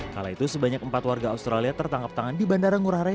kala itu sebanyak empat warga australia tertangkap tangan di bandara ngurah rai